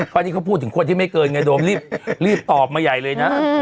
เพราะนี่เขาพูดถึงคนที่ไม่เกินไงโดมรีบตอบมาใหญ่เลยนะ